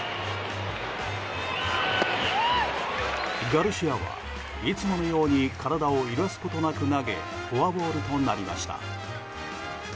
ガルシアはいつものように体を揺らすことなく投げフォアボールとなりました。